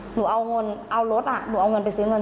หนูเอาเงินเอารถอ่ะ